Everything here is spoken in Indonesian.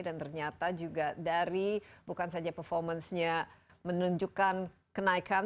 dan ternyata juga dari bukan saja performance nya menunjukkan kenaikan